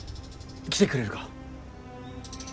来てくれるか。